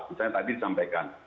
misalnya tadi disampaikan